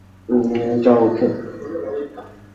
নিয়ে যাও ওকে।